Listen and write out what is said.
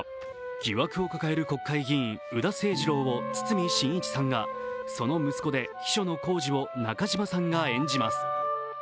疑惑を抱える国会議員・宇田清治郎を堤真一さんがその息子で秘書の晄司を中島さんが演じます。